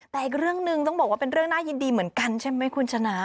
แต่อีกเรื่องหนึ่งต้องบอกว่าเป็นเรื่องน่ายินดีเหมือนกันใช่ไหมคุณชนะ